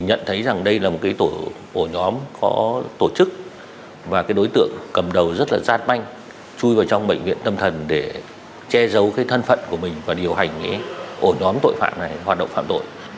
nhận thấy rằng đây là một cái tổ ổ nhóm có tổ chức và cái đối tượng cầm đầu rất là rát manh chui vào trong bệnh viện tâm thần để che giấu cái thân phận của mình và điều hành cái ổ nhóm tội phạm này hoạt động phạm tội